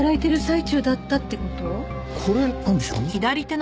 これなんでしょうね？